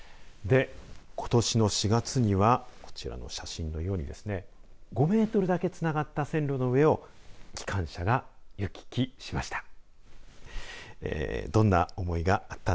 ことしの４月にはこちらの写真のようにですね５メートルだけつながった線路の上を機関車が行き来しました。